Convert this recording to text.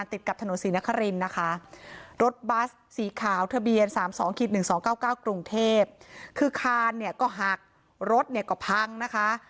ในรถทะเบียน๓๒๑๒๙๙กรุงเทพฯคือคานเนี่ยก็หักรถเนี่ยก็พังนะคะ